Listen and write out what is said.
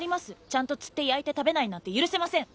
ちゃんと釣って焼いて食べないなんて許せません